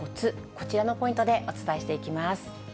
こちらのポイントでお伝えしていきます。